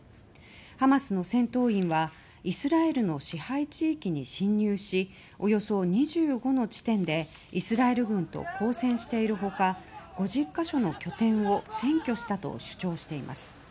ハマスの戦闘員はイスラエルの支配地域に侵入しおよそ２５の地点でイスラエル軍と交戦している他５０か所の拠点を占拠したと主張しています。